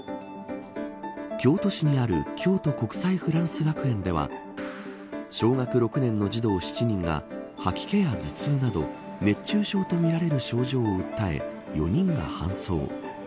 京都市にある京都国際フランス学園では小学６年の児童７人が吐き気や頭痛など熱中症とみられる症状を訴え４人が搬送。